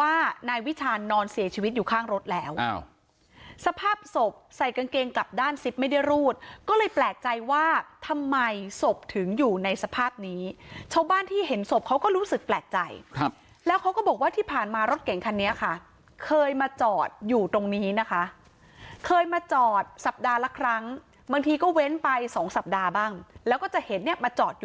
ว่านายวิชาณเสียชีวิตอยู่ข้างรถแล้วสภาพศพใส่กางเกงกลับด้านซิบไม่ได้รูดก็เลยแปลกใจว่าทำไมศพถึงอยู่ในสภาพนี้ชาวบ้านที่เห็นศพเขาก็รู้สึกแปลกใจครับแล้วเขาก็บอกว่าที่ผ่านมารถเก่งคันนี้ค่ะเคยมาจอดอยู่ตรงนี้นะคะเคยมาจอดสัปดาห์ละครั้งบางทีก็เว้นไปสองสัปดาห์บ้างแล้วก็จะเห็นเนี่ยมาจอดอยู่